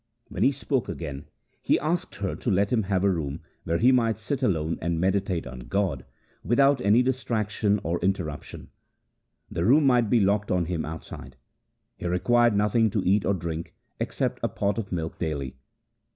When he spoke again, he asked her to let him have a room where he might sit alone and meditate on God, without any distraction or inter ruption. The room might be locked on him outside. He required nothing to eat or drink except a pot of milk daily.